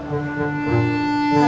yaudah yaudah yaudah